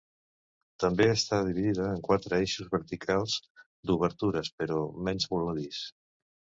També està dividida en quatre eixos verticals d'obertures, però amb menys voladís.